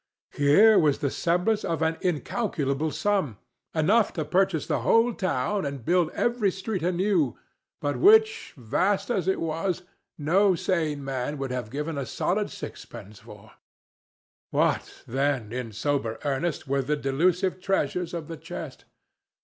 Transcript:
Here was the semblance of an incalculable sum, enough to purchase the whole town and build every street anew, but which, vast as it was, no sane man would have given a solid sixpence for. What, then, in sober earnest, were the delusive treasures of the chest?